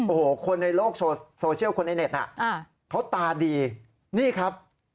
โอ้โหคนในโลกโซเชียลคนในเน็ตน่ะเขาตาดีนี่ครับ